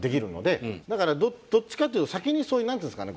だからどっちかっていうと先にそういうなんていうんですかね。